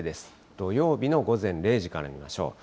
土曜日の午前０時から見ましょう。